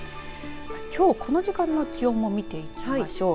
きょうこの時間の気温も見ていきましょう。